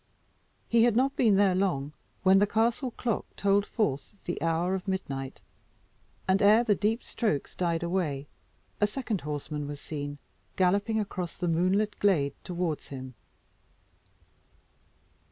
He had not been there long, when the castle clock tolled forth the hour of midnight, and ere the deep strokes died away, a second horseman was seen galloping across the moonlit glade towards him.